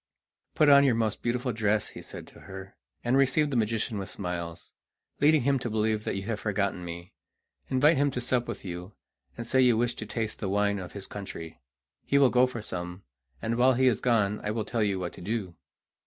"Put on your most beautiful dress," he said to her, "and receive the magician with smiles, leading him to believe that you have forgotten me. Invite him to sup with you, and say you wish to taste the wine of his country. He will go for some, and while he is gone I will tell you what to do."